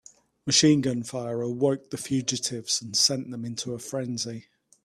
Machine gun fire awoke the fugitives and sent them into a frenzy.